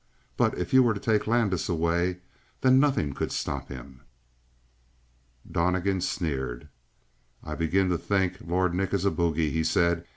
But if you were to take Landis away then nothing could stop him." Donnegan sneered. "I begin to think Lord Nick is a bogie," he said.